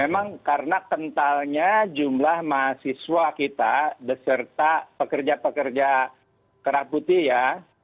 memang karena kentalnya jumlah mahasiswa kita beserta pekerja pekerja kerah putih ya